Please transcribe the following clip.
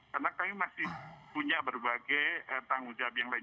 karena kami masih punya berbagai tanggung jawab yang lain